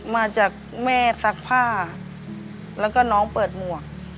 มาจากแม่ซักผ้าแล้วก็น้องเปิดหมวก